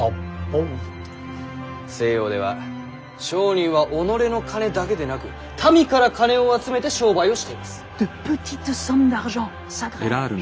西洋では商人は己の金だけでなく民から金を集めて商売をしています。